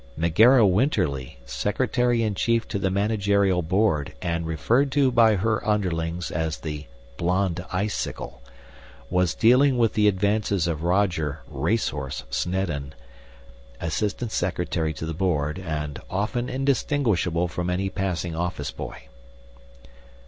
Megera Winterly, Secretary in Chief to the Managerial Board and referred to by her underlings as the Blonde Icicle, was dealing with the advances of Roger ("Racehorse") Snedden, Assistant Secretary to the Board and often indistinguishable from any passing office boy.